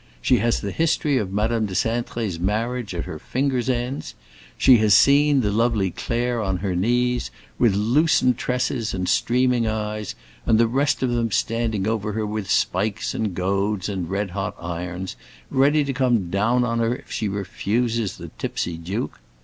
She has the history of Madame de Cintré's marriage at her fingers' ends. She has seen the lovely Claire on her knees, with loosened tresses and streaming eyes, and the rest of them standing over her with spikes and goads and red hot irons, ready to come down on her if she refuses the tipsy duke.